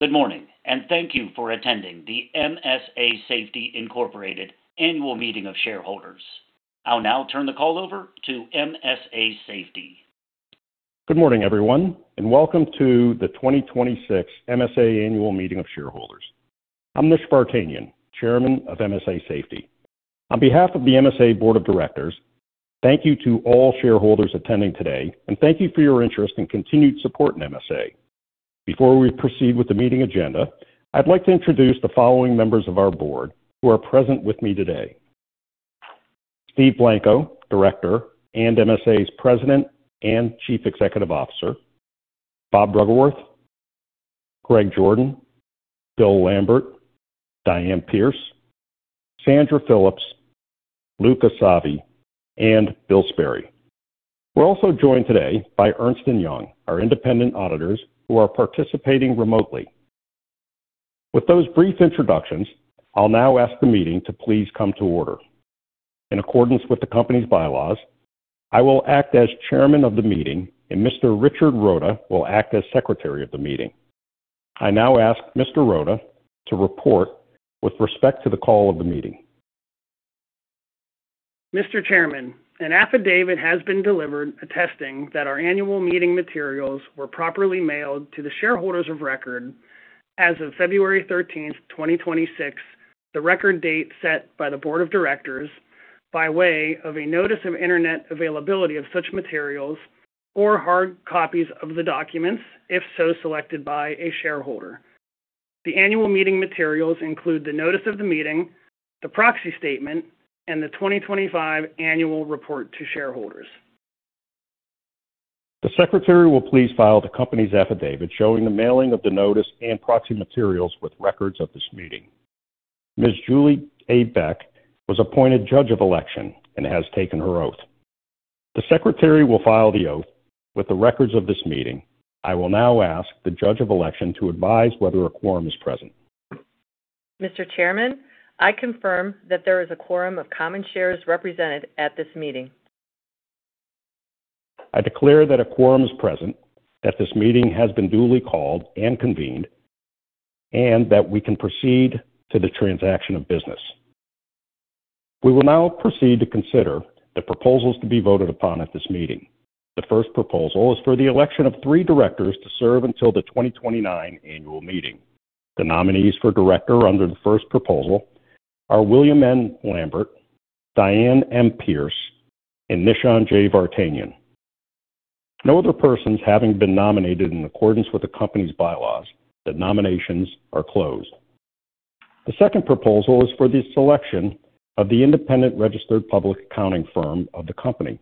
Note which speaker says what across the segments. Speaker 1: Good morning. Thank you for attending the MSA Safety Incorporated Annual Meeting of Shareholders. I'll now turn the call over to MSA Safety.
Speaker 2: Good morning, everyone, and welcome to the 2026 MSA Annual Meeting of Shareholders. I'm Nish Vartanian, Chairman of MSA Safety. On behalf of the MSA Board of Directors, thank you to all shareholders attending today, and thank you for your interest and continued support in MSA. Before we proceed with the meeting agenda, I'd like to introduce the following members of our board who are present with me today. Steve Blanco, Director and MSA's President and Chief Executive Officer, Bob Bruggeworth, Greg Jordan, Bill Lambert, Diane Pearse, Sandra Phillips, Luca Savi, and Bill Sperry. We're also joined today by Ernst & Young, our independent auditors, who are participating remotely. With those brief introductions, I'll now ask the meeting to please come to order. In accordance with the company's bylaws, I will act as Chairman of the meeting, and Mr. Richard Roda will act as Secretary of the meeting. I now ask Mr. Roda to report with respect to the call of the meeting.
Speaker 3: Mr. Chairman, an affidavit has been delivered attesting that our annual meeting materials were properly mailed to the shareholders of record as of February 13th, 2026, the record date set by the board of directors by way of a notice of internet availability of such materials or hard copies of the documents if so selected by a shareholder. The annual meeting materials include the notice of the meeting, the proxy statement, and the 2025 annual report to shareholders.
Speaker 2: The secretary will please file the company's affidavit showing the mailing of the notice and proxy materials with records of this meeting. Ms. Julie A. Beck was appointed Judge of Election and has taken her oath. The secretary will file the oath with the records of this meeting. I will now ask the Judge of Election to advise whether a quorum is present.
Speaker 4: Mr. Chairman, I confirm that there is a quorum of common shares represented at this meeting.
Speaker 2: I declare that a quorum is present, that this meeting has been duly called and convened, and that we can proceed to the transaction of business. We will now proceed to consider the proposals to be voted upon at this meeting. The first proposal is for the election of three directors to serve until the 2029 annual meeting. The nominees for director under the first proposal are William M. Lambert, Diane M. Pearse, and Nishan J. Vartanian. No other persons having been nominated in accordance with the company's bylaws. The nominations are closed. The second proposal is for the selection of the independent registered public accounting firm of the company.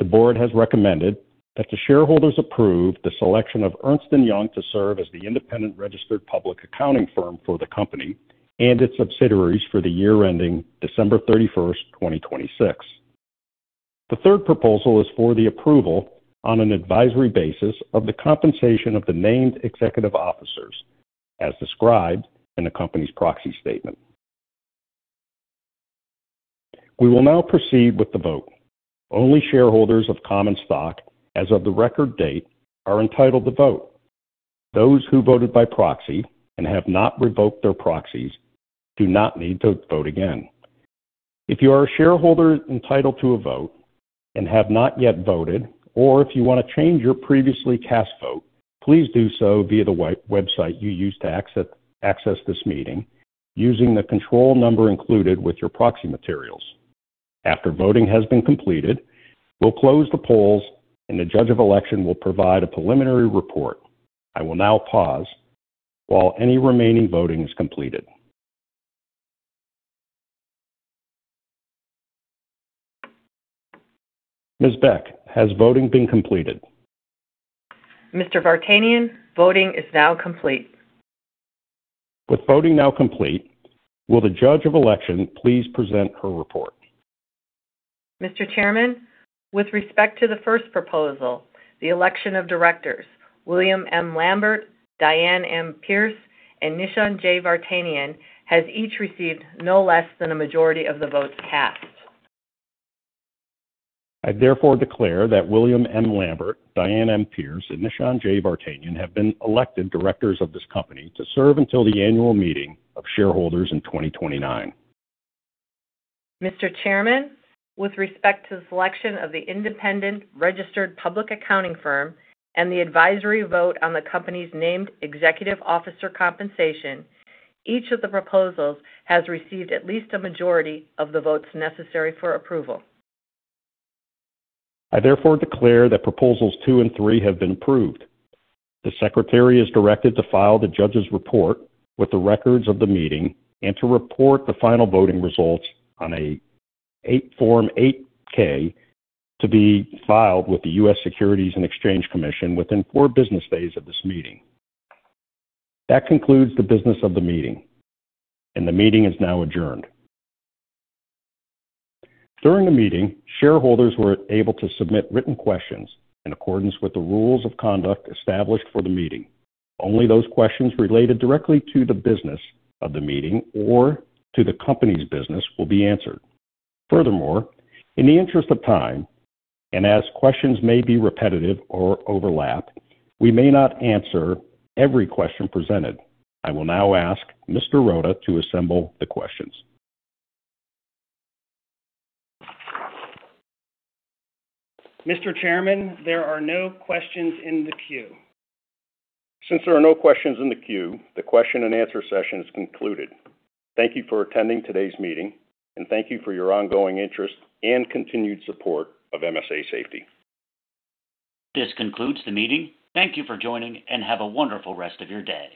Speaker 2: The board has recommended that the shareholders approve the selection of Ernst & Young to serve as the independent registered public accounting firm for the company and its subsidiaries for the year-ending December 31st, 2026. The third proposal is for the approval on an advisory basis of the compensation of the named executive officers as described in the company's proxy statement. We will now proceed with the vote. Only shareholders of common stock as of the record date are entitled to vote. Those who voted by proxy and have not revoked their proxies do not need to vote again. If you are a shareholder entitled to a vote and have not yet voted, or if you wanna change your previously cast vote, please do so via the website you used to access this meeting using the control number included with your proxy materials. After voting has been completed, we'll close the polls, and the Judge of Election will provide a preliminary report. I will now pause while any remaining voting is completed. Ms. Beck, has voting been completed?
Speaker 4: Mr. Vartanian, voting is now complete.
Speaker 2: With voting now complete, will the Judge of Election please present her report?
Speaker 4: Mr. Chairman, with respect to the first proposal, the election of directors, William M. Lambert, Diane M. Pearse, and Nishan J. Vartanian has each received no less than a majority of the votes cast.
Speaker 2: I therefore declare that William M. Lambert, Diane M. Pearse, and Nishan J. Vartanian have been elected directors of this company to serve until the annual meeting of shareholders in 2029.
Speaker 4: Mr. Chairman, with respect to the selection of the independent registered public accounting firm and the advisory vote on the company's named executive officer compensation, each of the proposals has received at least a majority of the votes necessary for approval.
Speaker 2: I therefore declare that Proposals 2 and 3 have been approved. The secretary is directed to file the judge's report with the records of the meeting and to report the final voting results on Form 8-K to be filed with the U.S. Securities and Exchange Commission within four business days of this meeting. That concludes the business of the meeting, and the meeting is now adjourned. During the meeting, shareholders were able to submit written questions in accordance with the rules of conduct established for the meeting. Only those questions related directly to the business of the meeting or to the company's business will be answered. Furthermore, in the interest of time, and as questions may be repetitive or overlap, we may not answer every question presented. I will now ask Mr. Roda to assemble the questions.
Speaker 3: Mr. Chairman, there are no questions in the queue.
Speaker 2: Since there are no questions in the queue, the question and answer session is concluded. Thank you for attending today's meeting, and thank you for your ongoing interest and continued support of MSA Safety.
Speaker 1: This concludes the meeting. Thank you for joining, and have a wonderful rest of your day.